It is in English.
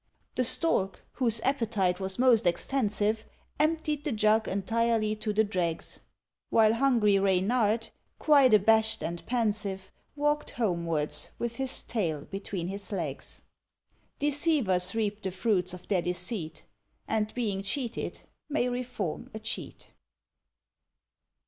The Stork, whose appetite was most extensive, Emptied the jug entirely to the dregs; While hungry Reynard, quite abashed and pensive, Walked homewards with his tail between his legs. Deceivers reap the fruits of their deceit, And being cheated may reform a cheat.